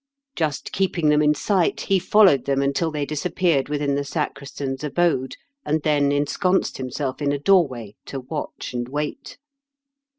Just keeping them in sight, he followed them until they disappeared within the sacristan's abode, and then ensconced him self in a doorway to watch and wait.